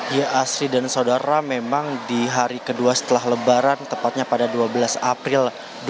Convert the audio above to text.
ya asri dan saudara memang di hari kedua setelah lebaran tepatnya pada dua belas april